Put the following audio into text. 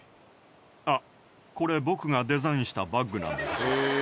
あっ、これ、僕がデザインしたバッグなんだ。